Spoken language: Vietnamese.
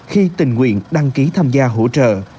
khi tình nguyện đăng ký tham gia hỗ trợ